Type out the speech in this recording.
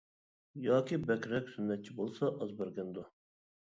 ياكى بەكرەك سۈننەتچى بولسا ئاز بەرگەندۇ.